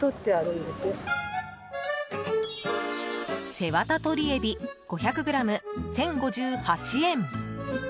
背わた取りえび５００ｇ、１０５８円。